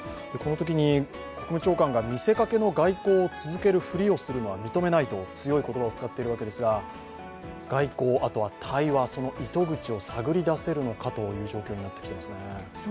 このときに国務長官が見せかけの外交を続けるふりをするのは認めないと強い言葉を使っているわけですが、外交、あとは対話、その糸口を探り出せるのかという状況になってきていますね。